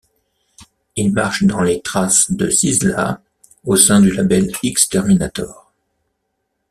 Il marche dans les traces de Sizzla au sein du label X-terminator.